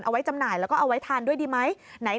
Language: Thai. เอาไว้จำหน่ายแล้วก็เอาไว้ทานด้วยดีไหม